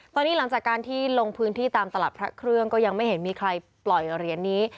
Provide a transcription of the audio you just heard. ตอนนี้หลังจากการที่ลงพื้นที่ตามตลาดพระเครื่องก็ยังไม่เห็นมีใครปล่อยเหรียญนี้